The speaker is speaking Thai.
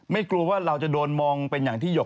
กลัวว่าเราจะโดนมองเป็นอย่างที่หยก